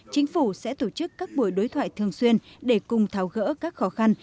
chính phủ sẽ tổ chức các buổi đối thoại thường xuyên để cùng tháo gỡ các khó khăn